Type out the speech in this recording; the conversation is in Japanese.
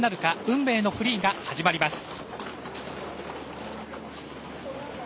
運命のフリーが始まります。